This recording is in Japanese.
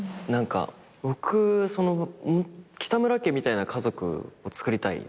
僕北村家みたいな家族をつくりたい。